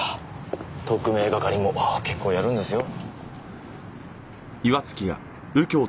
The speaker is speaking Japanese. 特命係も結構やるんですよ。